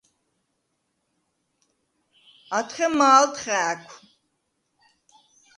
ათხე მა̄ლდ ხა̄̈ქუ̂: